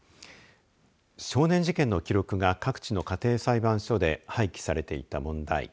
少年事件の記録が各地の家庭裁判所で廃棄されていた問題。